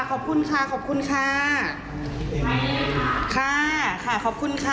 ขอบคุณค่ะขอบคุณค่ะค่ะขอบคุณค่ะ